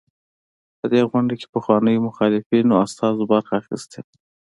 په دې غونډه کې پخوانيو مخالفینو استازو برخه اخیستې وه.